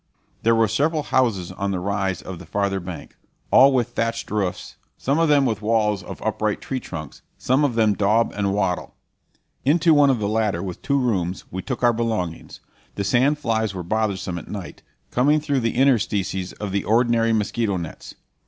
There were several houses on the rise of the farther bank, all with thatched roofs, some of them with walls of upright tree trunks, some of them daub and wattle. Into one of the latter, with two rooms, we took our belongings. The sand flies were bothersome at night, coming through the interstices in the ordinary mosquito nets.